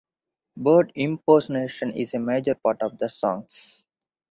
Bird impersonation is a major part of the songs.